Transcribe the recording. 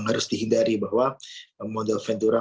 yang harus dihindari bahwa